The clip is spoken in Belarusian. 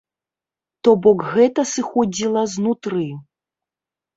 То бок гэта сыходзіла знутры.